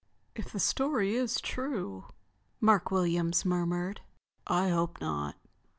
"If the story is true," Mark Williams murmured, "I hope not...."